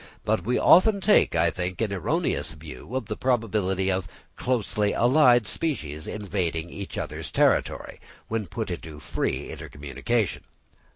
But we often take, I think, an erroneous view of the probability of closely allied species invading each other's territory, when put into free intercommunication.